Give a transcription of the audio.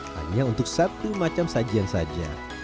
hanya untuk satu macam sajian saja